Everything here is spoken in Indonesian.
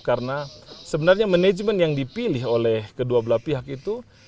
karena sebenarnya manajemen yang dipilih oleh kedua belah pihak itu